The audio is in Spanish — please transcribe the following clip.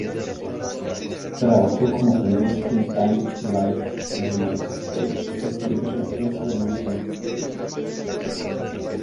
Trabajó como aprendiz en "Time", "Life", la United States Information Agency y "American Heritage".